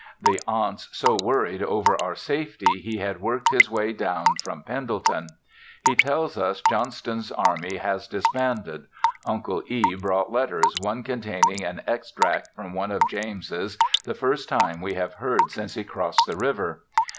The aunts so worried over our safety he had worked his way down from Pendleton. He tells us Johnston's army has disbanded Uncle E. brought letters, one containing an extract from one of James's, the first time we have heard since he crossed the river.